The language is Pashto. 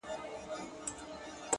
هره تجربه د ژوند نوی درس دی